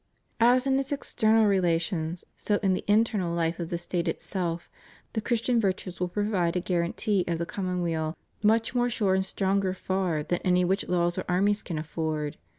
As in its external relations, so in the internal hfe of the State itself, the Christian virtues will provide a guarantee of the commonweal much more sure and stronger far than any which laws or armies can afford.